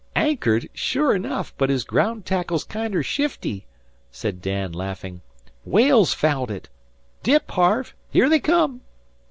"Anchored, sure enough, but his graound tackle's kinder shifty," said Dan, laughing. "Whale's fouled it. ... Dip Harve! Here they come!"